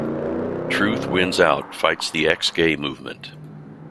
Truth Wins Out fights the Ex-Gay Movement.